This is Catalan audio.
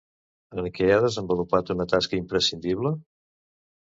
En què ha desenvolupat una tasca imprescindible?